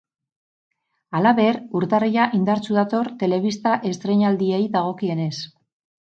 Halaber, urtarrila indartsu dator telebista estrainaldiei dagokienez.